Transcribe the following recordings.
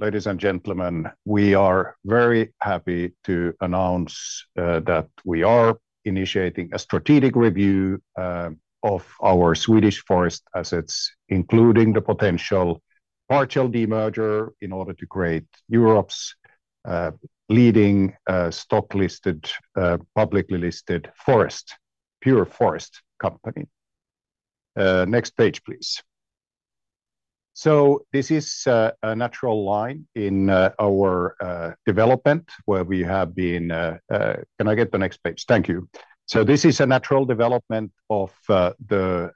Ladies and gentlemen, we are very happy to announce that we are initiating a strategic review of our Swedish Forest assets, including the potential Partial Demerger in order to create Europe's leading stock-listed, publicly listed pure forest company. Next page, please. This is a natural line in our development where we have been-can I get the next page? Thank you. This is a natural development of the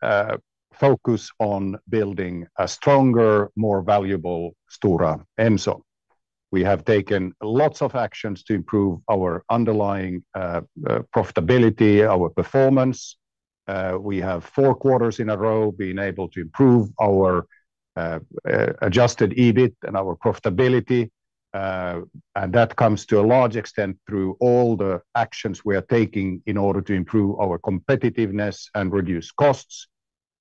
focus on building a stronger, more valuable Stora Enso. We have taken lots of actions to improve our underlying profitability, our performance. We have four quarters in a row been able to improve our adjusted EBIT and our profitability. That comes to a large extent through all the actions we are taking in order to improve our competitiveness and reduce costs.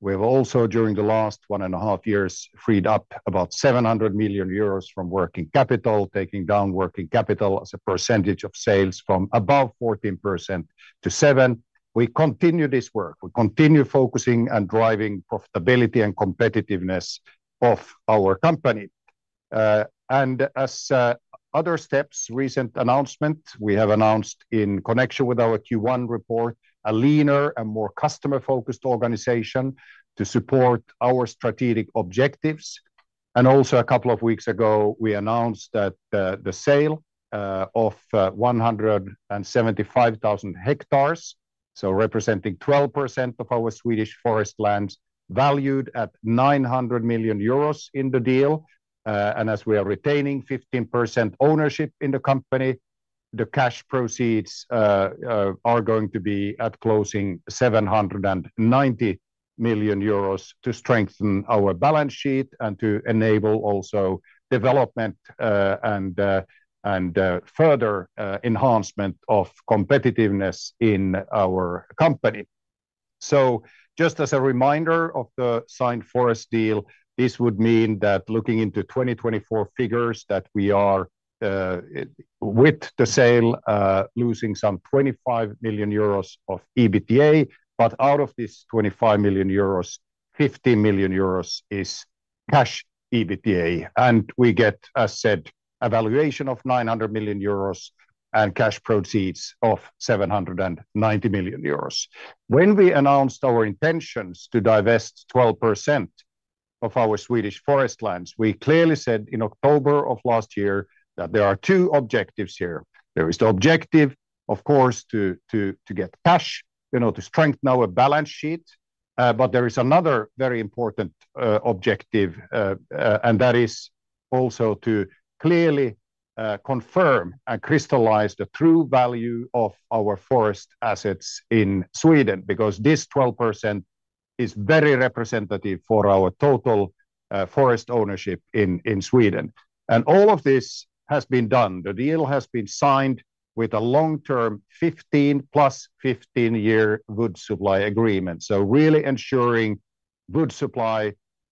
We have also, during the last one and a half years, freed up about 700 million euros from working capital, taking down working capital as a percentage of sales from above 14% to 7%. We continue this work. We continue focusing and driving profitability and competitiveness of our company. As other steps, recent announcement, we have announced in connection with our Q1 report, a leaner and more customer-focused organization to support our strategic objectives. Also, a couple of weeks ago, we announced that the sale of 175,000 hectares, so representing 12% of our Swedish Forest lands, valued at 900 million euros in the deal. As we are retaining 15% ownership in the company, the cash proceeds are going to be at closing 790 million euros to strengthen our balance sheet and to enable also development and further enhancement of competitiveness in our company. Just as a reminder of the signed forest deal, this would mean that looking into 2024 figures, we are with the sale losing some 25 million euros of EBITDA. Out of this 25 million euros, 15 million euros is cash EBITDA. We get, as said, a valuation of 900 million euros and cash proceeds of 790 million euros. When we announced our intentions to divest 12% of our Swedish Forest lands, we clearly said in October of last year that there are two objectives here. There is the objective, of course, to get cash, to strengthen our balance sheet. There is another very important objective, and that is also to clearly confirm and crystallize the true value of our forest assets in Sweden, because this 12% is very representative for our total forest ownership in Sweden. All of this has been done. The deal has been signed with a long-term 15+15-year goods supply agreement, really ensuring goods supply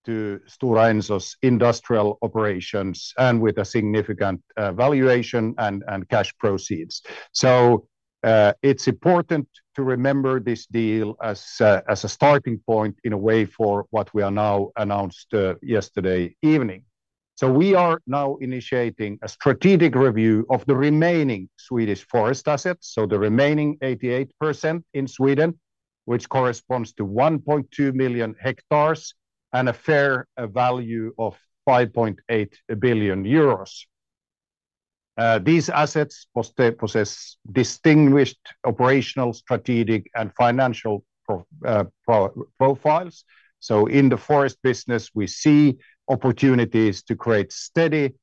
to Stora Enso's industrial operations and with a significant valuation and cash proceeds. It is important to remember this deal as a starting point in a way for what we announced yesterday evening. We are now initiating a strategic review of the remaining Swedish Forest assets, the remaining 88% in Sweden, which corresponds to 1.2 million hectares and a fair value of 5.8 billion euros. These assets possess distinguished operational, strategic, and financial profiles. In the forest business, we see opportunities to create steady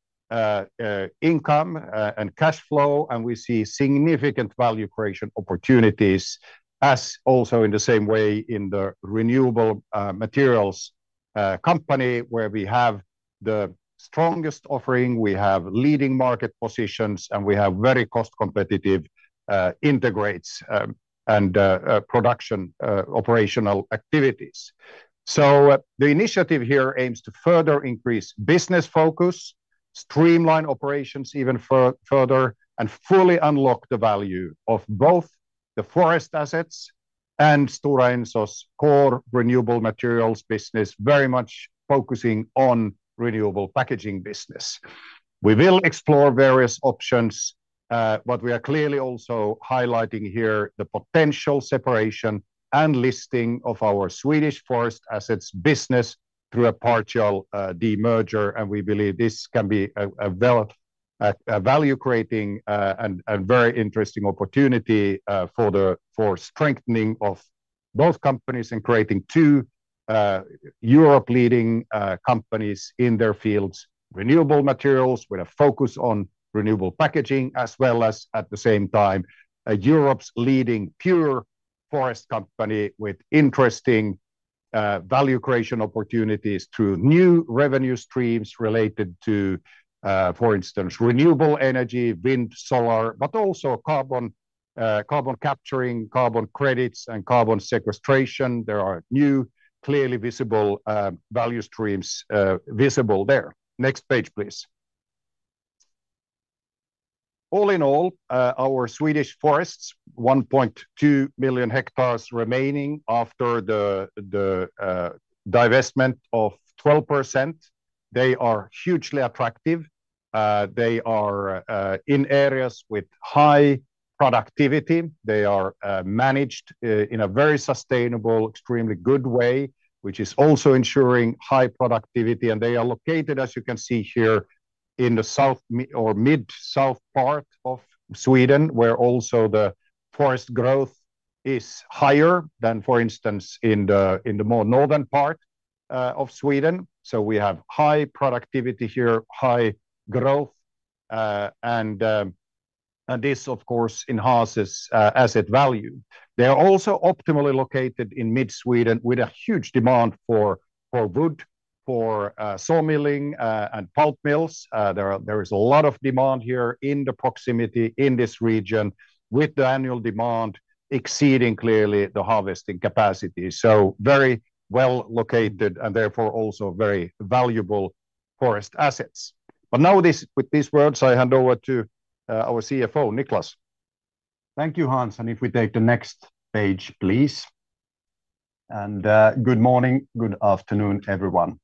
income and cash flow, and we see significant value creation opportunities, as also in the same way in the Renewable Materials Company, where we have the strongest offering, we have leading market positions, and we have very cost-competitive integrates and production operational activities. The initiative here aims to further increase business focus, streamline operations even further, and fully unlock the value of both the forest assets and Stora Enso's core renewable materials business, very much focusing on Renewable Packaging Business. We will explore various options, but we are clearly also highlighting here the potential separation and listing of our Swedish Forest assets business through a Partial Demerger. We believe this can be a value-creating and very interesting opportunity for strengthening of both companies and creating two Europe-leading companies in their fields, renewable materials with a focus on renewable packaging, as well as at the same time Europe's leading pure forest company with interesting value creation opportunities through new revenue streams related to, for instance, renewable energy, wind, solar, but also carbon capturing, carbon credits, and carbon sequestration. There are new clearly visible value streams visible there. Next page, please. All in all, our Swedish Forests, 1.2 million hectares remaining after the divestment of 12%, they are hugely attractive. They are in areas with high productivity. They are managed in a very sustainable, extremely good way, which is also ensuring high productivity. They are located, as you can see here, in the south or mid-south part of Sweden, where also the forest growth is higher than, for instance, in the more northern part of Sweden. We have high productivity here, high growth, and this, of course, enhances asset value. They are also optimally located in mid-Sweden with a huge demand for wood, for sawmilling and pulp mills. There is a lot of demand here in the proximity in this region, with the annual demand exceeding clearly the harvesting capacity. Very well located and therefore also very valuable forest assets. Now with these words, I hand over to our CFO, Niclas. Thank you, Hans. If we take the next page, please. Good morning, good afternoon, everyone.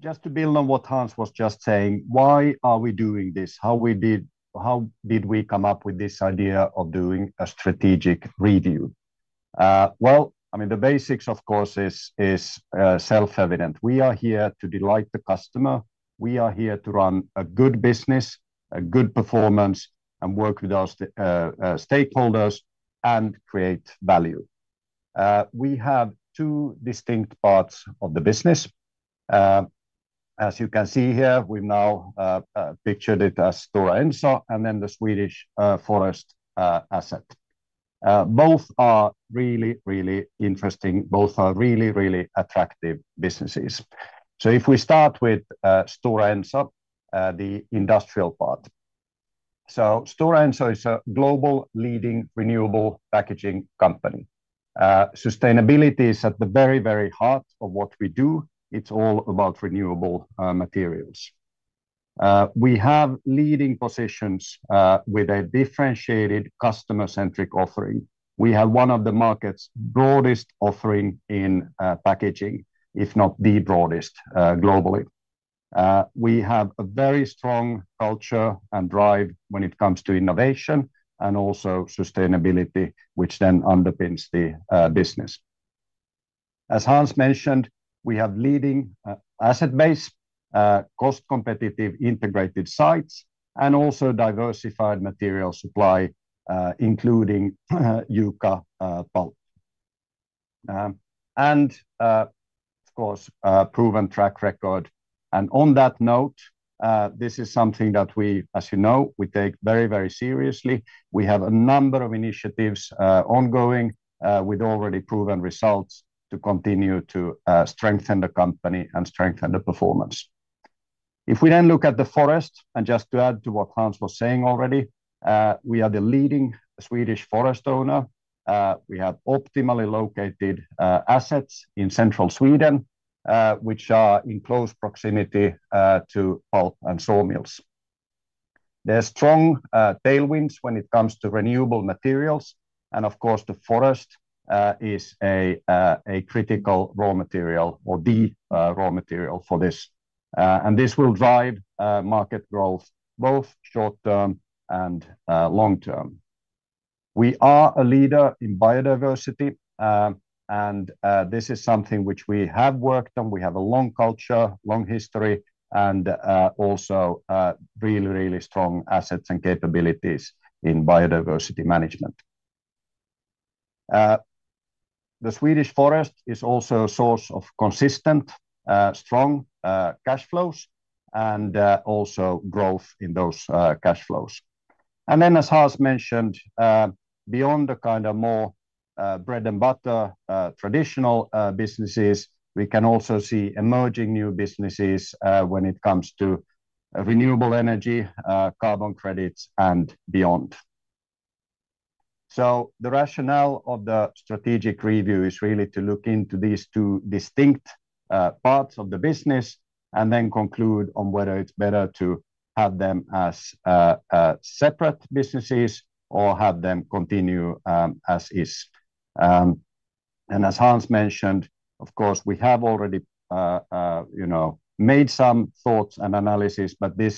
Just to build on what Hans was just saying, why are we doing this? How did we come up with this idea of doing a strategic review? I mean, the basics, of course, are self-evident. We are here to delight the customer. We are here to run a good business, a good performance, and work with our stakeholders and create value. We have two distinct parts of the business. As you can see here, we've now pictured it as Stora Enso and then the Swedish Forest asset. Both are really, really interesting. Both are really, really attractive businesses. If we start with Stora Enso, the industrial part. Stora Enso is a global leading renewable packaging company. Sustainability is at the very, very heart of what we do. It's all about renewable materials. We have leading positions with a differentiated customer-centric offering. We have one of the market's broadest offering in packaging, if not the broadest globally. We have a very strong culture and drive when it comes to innovation and also sustainability, which then underpins the business. As Hans mentioned, we have leading asset-based, cost-competitive integrated sites, and also diversified material supply, including Yuka pulp. Of course, proven track record. On that note, this is something that we, as you know, we take very, very seriously. We have a number of initiatives ongoing with already proven results to continue to strengthen the company and strengthen the performance. If we then look at the forest, and just to add to what Hans was saying already, we are the leading Swedish Forest owner. We have optimally located assets in central Sweden, which are in close proximity to pulp and sawmills. There are strong tailwinds when it comes to renewable materials. Of course, the forest is a critical raw material or the raw material for this. This will drive market growth both short-term and long-term. We are a leader in biodiversity. This is something which we have worked on. We have a long culture, long history, and also really, really strong assets and capabilities in biodiversity management. The Swedish Forest is also a source of consistent, strong cash flows and also growth in those cash flows. As Hans mentioned, beyond the kind of more bread-and-butter traditional businesses, we can also see emerging new businesses when it comes to renewable energy, carbon credits, and beyond. The rationale of the strategic review is really to look into these two distinct parts of the business and then conclude on whether it is better to have them as separate businesses or have them continue as is. As Hans mentioned, of course, we have already made some thoughts and analysis, but I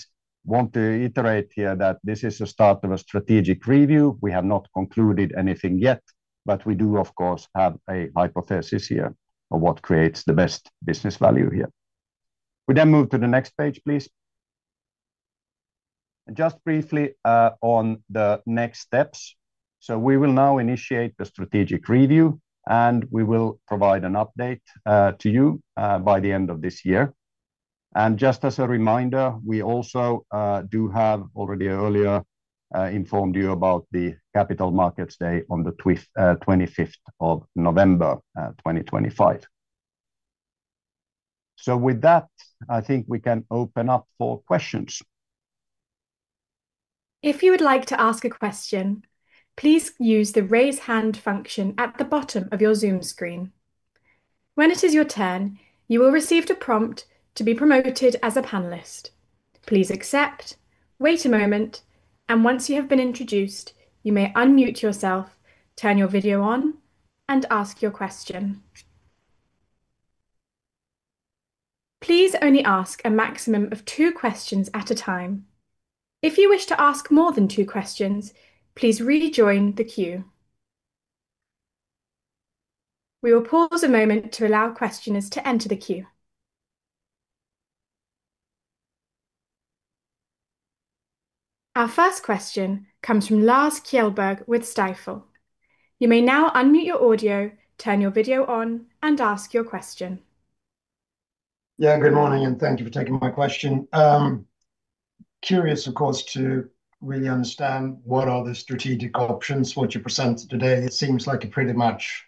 want to iterate here that this is the start of a strategic review. We have not concluded anything yet, but we do, of course, have a hypothesis here of what creates the best business value here. We then move to the next page, please. Just briefly on the next steps. We will now initiate the strategic review, and we will provide an update to you by the end of this year. Just as a reminder, we also do have already earlier informed you about the Capital Markets Day on the 25th of November 2025. With that, I think we can open up for questions. If you would like to ask a question, please use the raise hand function at the bottom of your Zoom screen. When it is your turn, you will receive a prompt to be promoted as a panelist. Please accept, wait a moment, and once you have been introduced, you may unmute yourself, turn your video on, and ask your question. Please only ask a maximum of two questions at a time. If you wish to ask more than two questions, please rejoin the queue. We will pause a moment to allow questioners to enter the queue. Our first question comes from Lars Kjellberg with Stifel. You may now unmute your audio, turn your video on, and ask your question. Yeah, good morning, and thank you for taking my question. Curious, of course, to really understand what are the strategic options, what you presented today. It seems like a pretty much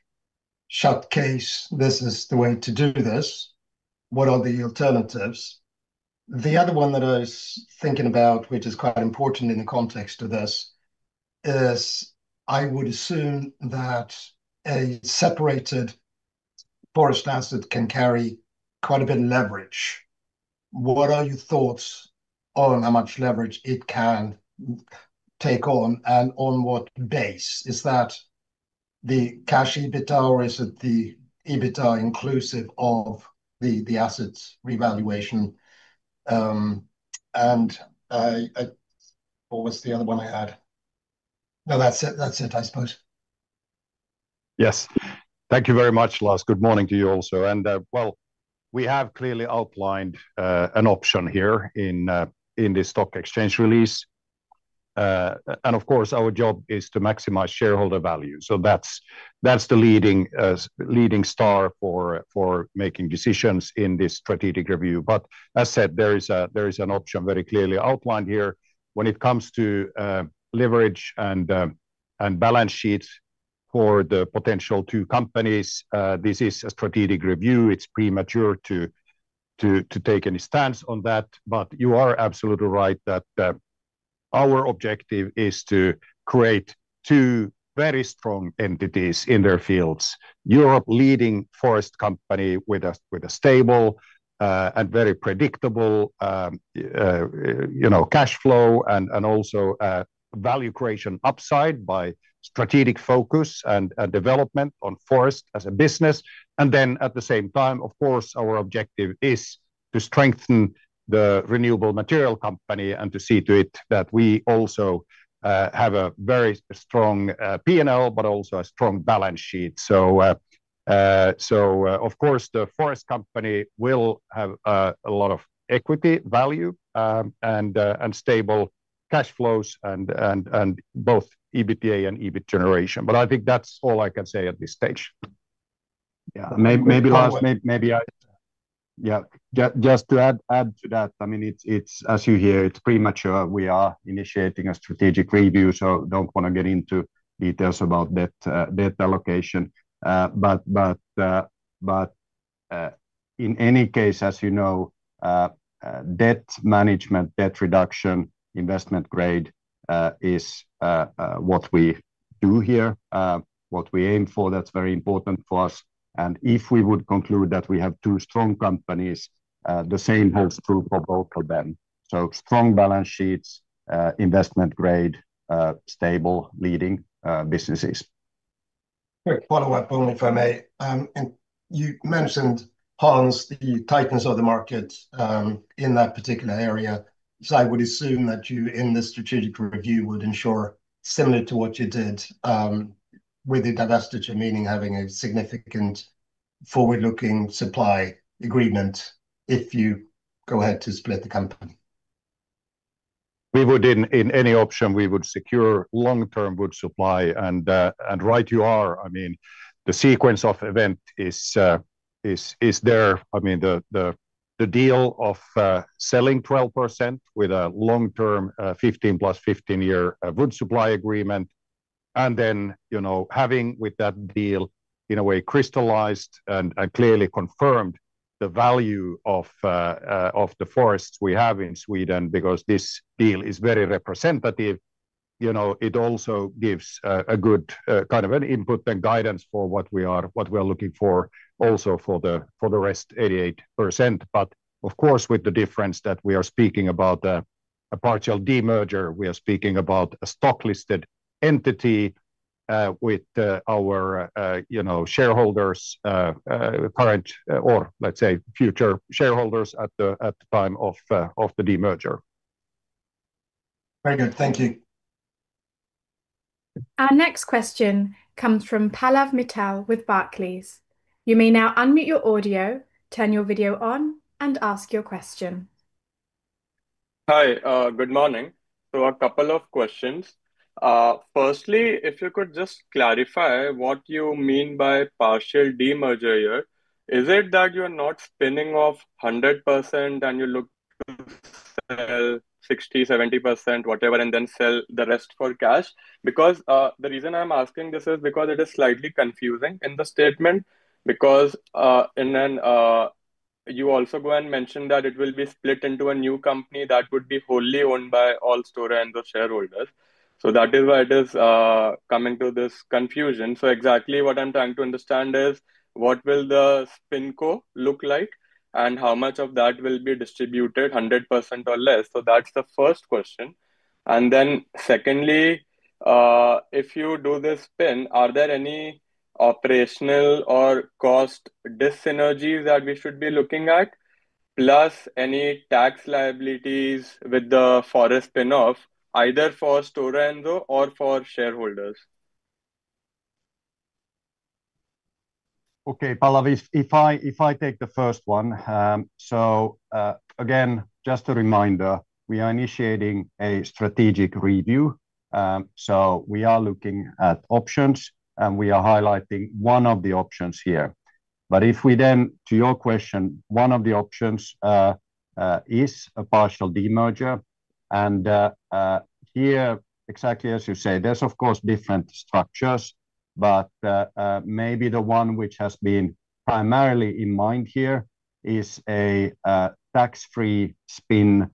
shot case. This is the way to do this. What are the alternatives? The other one that I was thinking about, which is quite important in the context of this, is I would assume that a separated forest asset can carry quite a bit of leverage. What are your thoughts on how much leverage it can take on and on what base? Is that the cash EBITDA or is it the EBITDA inclusive of the assets revaluation? And what was the other one I had? No, that's it, I suppose. Yes. Thank you very much, Lars. Good morning to you also. We have clearly outlined an option here in the stock exchange release. Of course, our job is to maximize shareholder value. That is the leading star for making decisions in this strategic review. As said, there is an option very clearly outlined here. When it comes to leverage and balance sheets for the potential two companies, this is a strategic review. It is premature to take any stance on that. You are absolutely right that our objective is to create two very strong entities in their fields. Europe leading forest company with a stable and very predictable cash flow and also value creation upside by strategic focus and development on forest as a business. At the same time, of course, our objective is to strengthen the renewable material company and to see to it that we also have a very strong P&L, but also a strong balance sheet. Of course, the forest company will have a lot of equity value and stable cash flows and both EBITDA and EBIT generation. I think that's all I can say at this stage. Yeah, maybe Lars, maybe I, yeah, just to add to that, I mean, as you hear, it's premature. We are initiating a strategic review, so don't want to get into details about debt allocation. In any case, as you know, debt management, debt reduction, investment grade is what we do here, what we aim for. That's very important for us. If we would conclude that we have two strong companies, the same holds true for both of them. Strong balance sheets, investment grade, stable leading businesses. Quick follow-up only if I may. You mentioned, Hans, the tightness of the market in that particular area. I would assume that you in the strategic review would ensure similar to what you did with the divestiture, meaning having a significant forward-looking supply agreement if you go ahead to split the company. We would, in any option, secure long-term wood supply. Right you are. I mean, the sequence of event is there. I mean, the deal of selling 12% with a long-term 15 plus 15-year wood supply agreement. Having with that deal, in a way, crystallized and clearly confirmed the value of the forests we have in Sweden, because this deal is very representative, it also gives a good kind of an input and guidance for what we are looking for also for the rest 88%. Of course, with the difference that we are speaking about a Partial Demerger, we are speaking about a stock-listed entity with our shareholders, current or let's say future shareholders at the time of the demerger. Very good. Thank you. Our next question comes from Pallav Mittal with Barclays. You may now unmute your audio, turn your video on, and ask your question. Hi, good morning. A couple of questions. Firstly, if you could just clarify what you mean by Partial Demerger here. Is it that you are not spinning off 100% and you look to sell 60-70%, whatever, and then sell the rest for cash? The reason I'm asking this is because it is slightly confusing in the statement, because you also go and mention that it will be split into a new company that would be wholly owned by all Stora Enso shareholders. That is why it is coming to this confusion. Exactly what I'm trying to understand is what will the SpinCo look like and how much of that will be distributed, 100% or less? That is the first question. Secondly, if you do this spin, are there any operational or cost dis-synergies that we should be looking at, plus any tax liabilities with the forest spin-off, either for Stora Enso or for shareholders? Okay, Palav, if I take the first one. Again, just a reminder, we are initiating a strategic review. We are looking at options, and we are highlighting one of the options here. If we then, to your question, one of the options is a Partial Demerger, and here, exactly as you say, there are of course different structures, but maybe the one which has been primarily in mind here is a tax-free spin,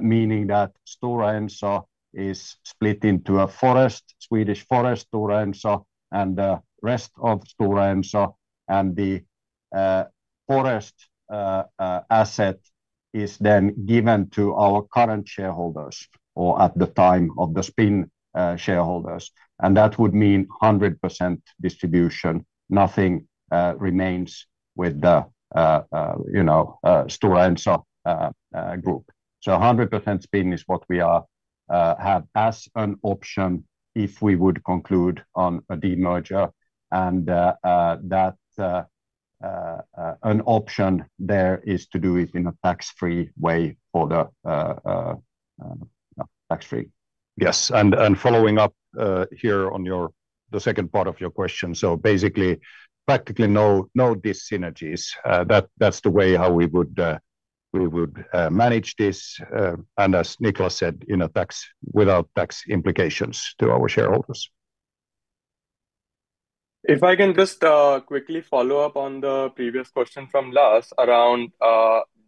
meaning that Stora Enso is split into a forest, Swedish Forest, Stora Enso, and the rest of Stora Enso, and the forest asset is then given to our current shareholders or at the time of the spin shareholders. That would mean 100% distribution. Nothing remains with the Stora Enso group. 100% spin is what we have as an option if we would conclude on a demerger. An option there is to do it in a tax-free way for the tax-free. Yes. Following up here on the second part of your question, so basically, practically no dis-synergies. That is the way how we would manage this. As Niclas said, without tax implications to our shareholders. If I can just quickly follow up on the previous question from Lars around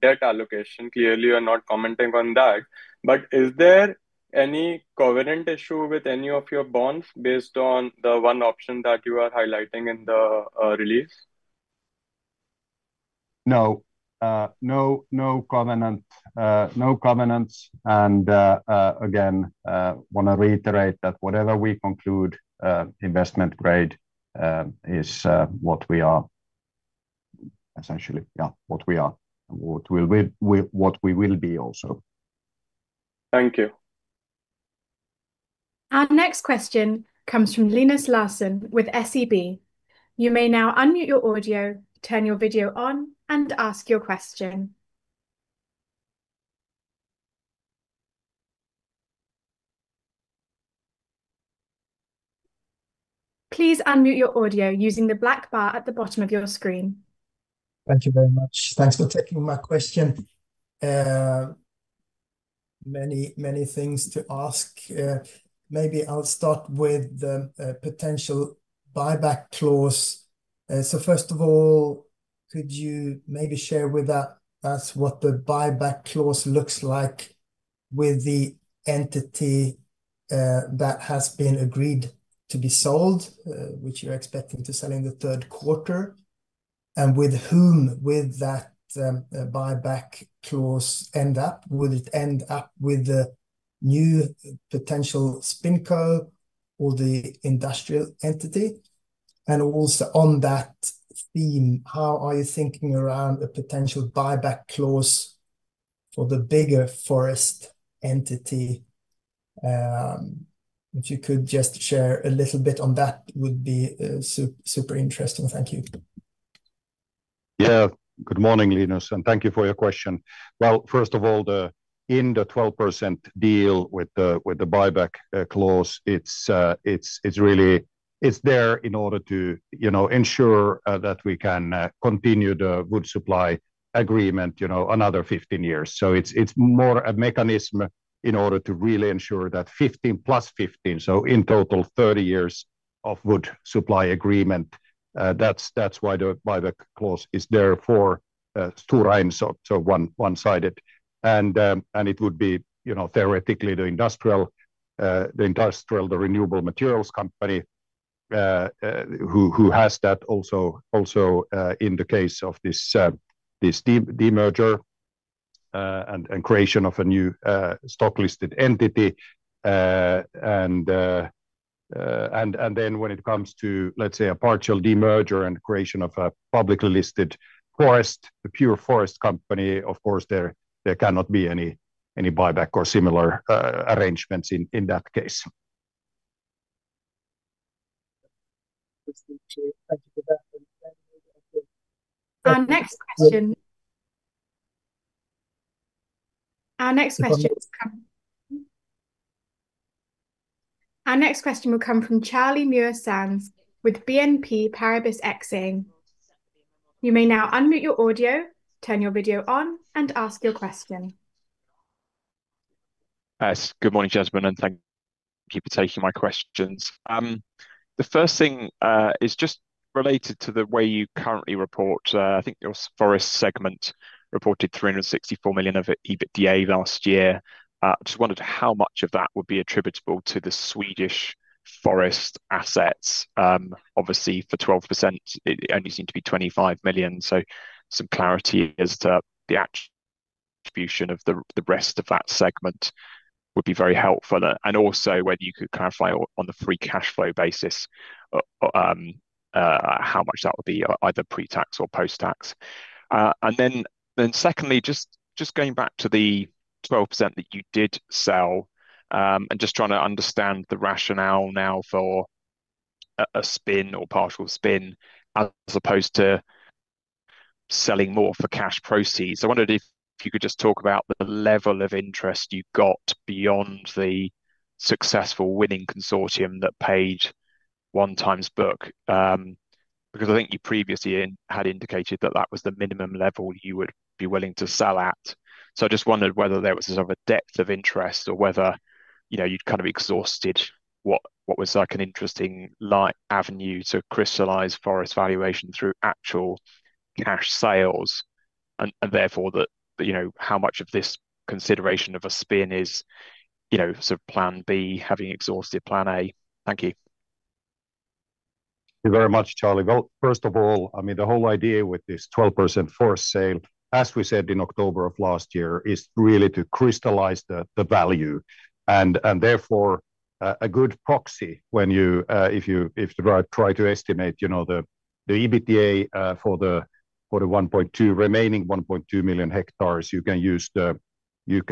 debt allocation, clearly you are not commenting on that. Is there any covenant issue with any of your bonds based on the one option that you are highlighting in the release? No. No covenants. I want to reiterate that whatever we conclude, investment grade is what we are, essentially, yeah, what we are, what we will be also. Thank you. Our next question comes from Linus Larsson with SEB. You may now unmute your audio, turn your video on, and ask your question. Please unmute your audio using the black bar at the bottom of your screen. Thank you very much. Thanks for taking my question. Many, many things to ask. Maybe I'll start with the potential buyback clause. First of all, could you maybe share with us what the buyback clause looks like with the entity that has been agreed to be sold, which you're expecting to sell in the third quarter? With whom would that buyback clause end up? Would it end up with the new potential SpinCo or the industrial entity? Also on that theme, how are you thinking around a potential buyback clause for the bigger forest entity? If you could just share a little bit on that, it would be super interesting. Thank you. Yeah. Good morning, Linus. And thank you for your question. First of all, in the 12% deal with the buyback clause, it's there in order to ensure that we can continue the wood supply agreement another 15 years. It's more a mechanism in order to really ensure that 15 plus 15, so in total, 30 years of wood supply agreement. That's why the buyback clause is there for Stora Enso, so one-sided. It would be theoretically the industrial, the Renewable Materials Company who has that also in the case of this demerger and creation of a new stock-listed entity. When it comes to, let's say, a Partial Demerger and creation of a publicly listed forest, a pure forest company, of course, there cannot be any buyback or similar arrangements in that case. Our next question will come from Charlie Muir-Sands with BNP Paribas Exane. You may now unmute your audio, turn your video on, and ask your question. Hi. Good morning, Jasmine, and thank you for taking my questions. The first thing is just related to the way you currently report. I think your forest segment reported 364 million of EBITDA last year. I just wondered how much of that would be attributable to the Swedish Forest assets. Obviously, for 12%, it only seemed to be 25 million. Some clarity as to the attribution of the rest of that segment would be very helpful. Also, whether you could clarify on the free cash flow basis how much that would be, either pre-tax or post-tax. Secondly, just going back to the 12% that you did sell and just trying to understand the rationale now for a spin or partial spin as opposed to selling more for cash proceeds. I wondered if you could just talk about the level of interest you got beyond the successful winning consortium that paid one time's book, because I think you previously had indicated that that was the minimum level you would be willing to sell at. I just wondered whether there was a sort of a depth of interest or whether you'd kind of exhausted what was an interesting avenue to crystallize forest valuation through actual cash sales, and therefore how much of this consideration of a spin is sort of plan B, having exhausted plan A. Thank you. Thank you very much, Charlie. First of all, I mean, the whole idea with this 12% forest sale, as we said in October of last year, is really to crystallize the value. Therefore, a good proxy when you, if you try to estimate the EBITDA for the remaining 1.2 million hectares, you can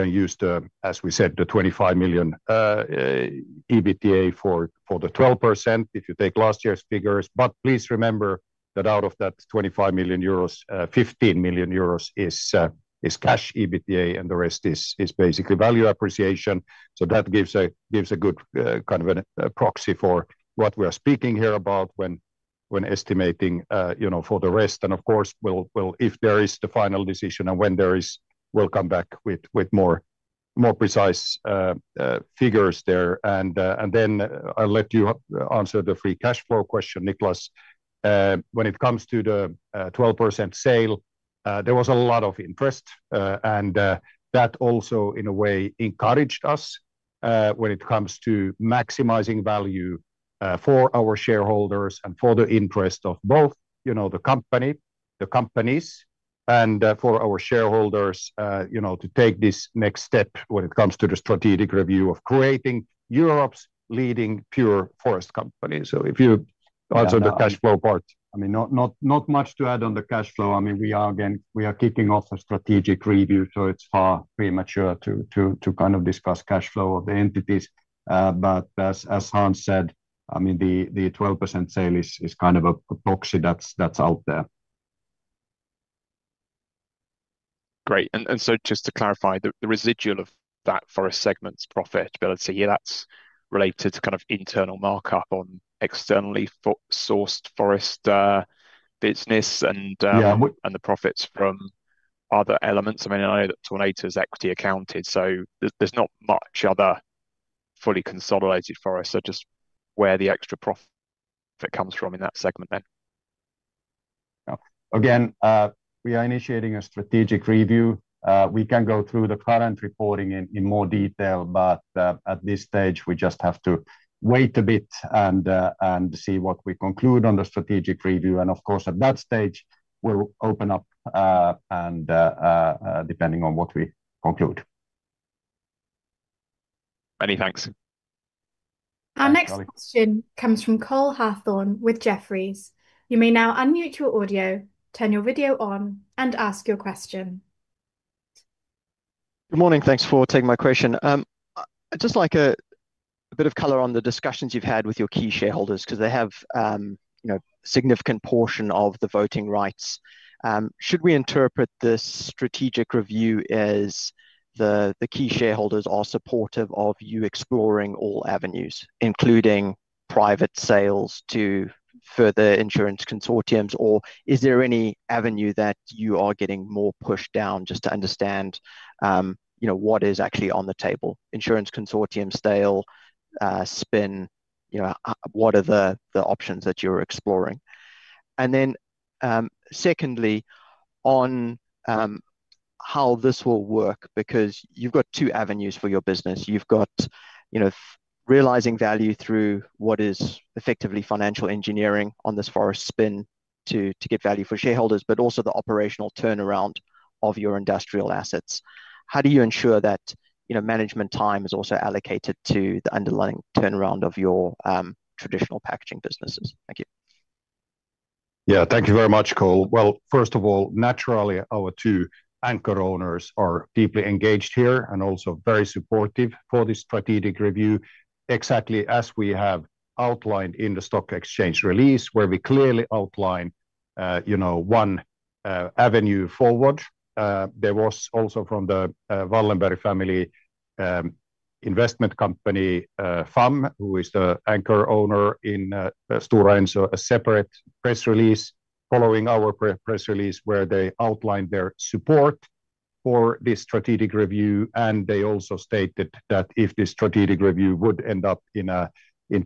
use, as we said, the 25 million EBITDA for the 12% if you take last year's figures. Please remember that out of that 25 million euros, 15 million euros is cash EBITDA, and the rest is basically value appreciation. That gives a good kind of a proxy for what we are speaking here about when estimating for the rest. Of course, if there is the final decision and when there is, we'll come back with more precise figures there. I'll let you answer the free cash flow question, Niclas. When it comes to the 12% sale, there was a lot of interest. That also, in a way, encouraged us when it comes to maximizing value for our shareholders and for the interest of both the company, the companies, and for our shareholders to take this next step when it comes to the strategic review of creating Europe's leading pure forest company. If you answer the cash flow part, I mean, not much to add on the cash flow. I mean, we are kicking off a strategic review, so it is far premature to kind of discuss cash flow of the entities. As Hans said, the 12% sale is kind of a proxy that is out there. Great. Just to clarify, the residual of that forest segment's profitability here, that's related to kind of internal markup on externally sourced forest business and the profits from other elements. I mean, I know that Tornator's equity accounted, so there's not much other fully consolidated forests. Just where the extra profit comes from in that segment then. Again, we are initiating a strategic review. We can go through the current reporting in more detail, but at this stage, we just have to wait a bit and see what we conclude on the strategic review. Of course, at that stage, we'll open up and depending on what we conclude. Many thanks. Our next question comes from Col Hathorne with Jefferies. You may now unmute your audio, turn your video on, and ask your question. Good morning. Thanks for taking my question. I'd just like a bit of color on the discussions you've had with your key shareholders because they have a significant portion of the voting rights. Should we interpret this strategic review as the key shareholders are supportive of you exploring all avenues, including private sales to further insurance consortiums, or is there any avenue that you are getting more pushed down just to understand what is actually on the table? Insurance consortium sale, spin, what are the options that you're exploring? Secondly, on how this will work, because you've got two avenues for your business. You've got realizing value through what is effectively financial engineering on this forest spin to get value for shareholders, but also the operational turnaround of your industrial assets. How do you ensure that management time is also allocated to the underlying turnaround of your traditional packaging businesses? Thank you. Yeah, thank you very much, Col. First of all, naturally, our two anchor owners are deeply engaged here and also very supportive for this strategic review, exactly as we have outlined in the stock exchange release, where we clearly outline one avenue forward. There was also from the Wallenberg family investment company, FAM, who is the anchor owner in Stora Enso, a separate press release following our press release where they outlined their support for this strategic review. They also stated that if this strategic review would end up in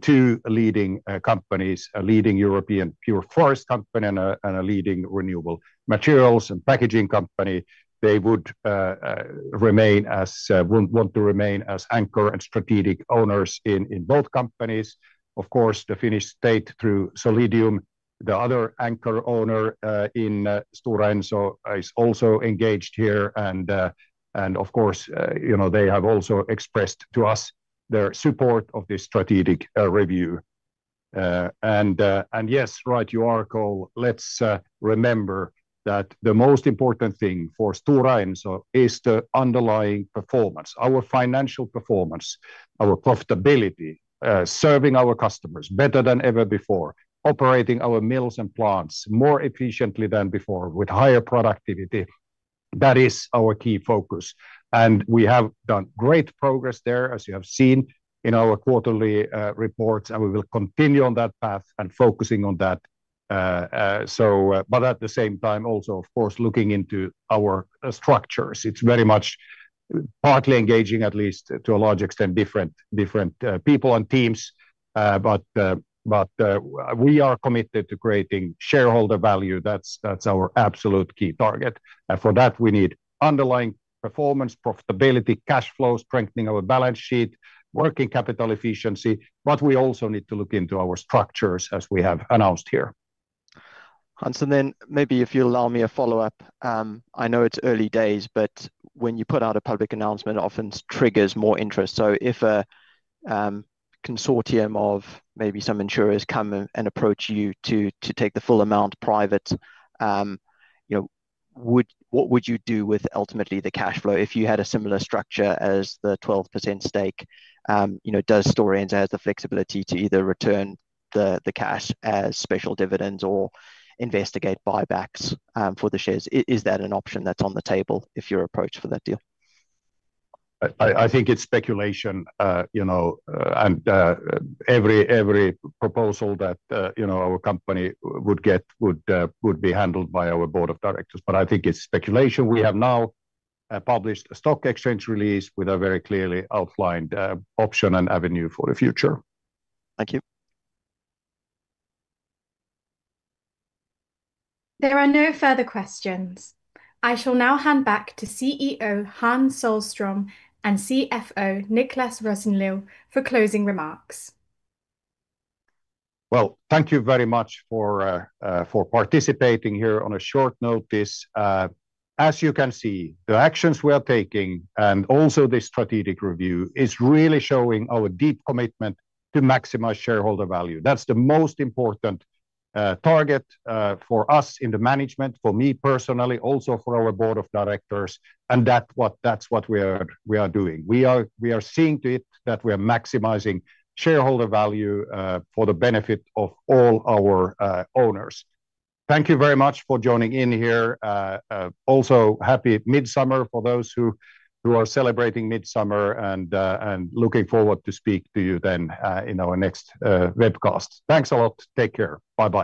two leading companies, a leading European pure forest company and a leading renewable materials and packaging company, they would want to remain as anchor and strategic owners in both companies. Of course, the Finnish state through Solidium, the other anchor owner in Stora Enso, is also engaged here. Of course, they have also expressed to us their support of this strategic review. Yes, right, you are, Col. Let's remember that the most important thing for Stora Enso is the underlying performance, our financial performance, our profitability, serving our customers better than ever before, operating our mills and plants more efficiently than before with higher productivity. That is our key focus. We have done great progress there, as you have seen in our quarterly reports, and we will continue on that path and focusing on that. At the same time, also, of course, looking into our structures. It is very much partly engaging, at least to a large extent, different people and teams. We are committed to creating shareholder value. That is our absolute key target. For that, we need underlying performance, profitability, cash flow, strengthening of a balance sheet, working capital efficiency. We also need to look into our structures, as we have announced here. Hans, and then maybe if you'll allow me a follow-up, I know it's early days, but when you put out a public announcement, it often triggers more interest. If a consortium of maybe some insurers come and approach you to take the full amount private, what would you do with ultimately the cash flow if you had a similar structure as the 12% stake? Does Stora Enso have the flexibility to either return the cash as special dividends or investigate buybacks for the shares? Is that an option that's on the table if you're approached for that deal? I think it's speculation. Every proposal that our company would get would be handled by our board of directors. I think it's speculation. We have now published a stock exchange release with a very clearly outlined option and avenue for the future. Thank you. There are no further questions. I shall now hand back to CEO Hans Sohlström and CFO Niclas Rosenlew for closing remarks. Thank you very much for participating here on a short notice. As you can see, the actions we are taking and also this strategic review is really showing our deep commitment to maximize shareholder value. That is the most important target for us in the management, for me personally, also for our board of directors. That is what we are doing. We are seeing to it that we are maximizing shareholder value for the benefit of all our owners. Thank you very much for joining in here. Also, happy Midsummer for those who are celebrating Midsummer and looking forward to speaking to you then in our next webcast. Thanks a lot. Take care. Bye-bye.